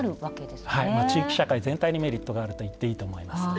地域社会全体にメリットがあると言っていいと思います。